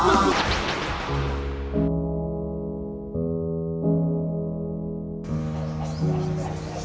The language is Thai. ร้องได้ไงล้า